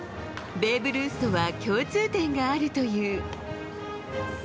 ベーブ・ルースとは共通点があるという。